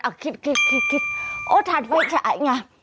อ้าวคิดโอ้ยถัดไฟฉายไง